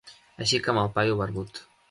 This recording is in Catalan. Així que amb el paio barbut.